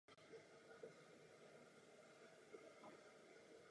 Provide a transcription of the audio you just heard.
Po elektrifikaci jsou právě tramvaje důležitou součástí ostravského dopravního systému.